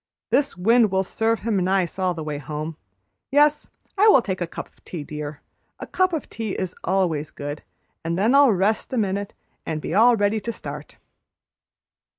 "This wind will serve him nice all the way home. Yes, I will take a cup of tea, dear, a cup of tea is always good; and then I'll rest a minute and be all ready to start."